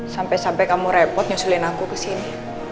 sampai sampai kamu repot nyusulin aku ke sini